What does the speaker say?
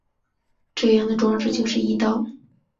这样的装置就是翼刀。